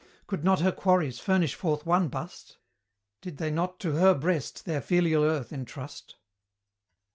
Could not her quarries furnish forth one bust? Did they not to her breast their filial earth entrust?